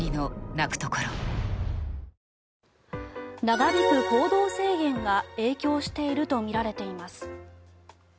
長引く行動制限が影響しているとみられています。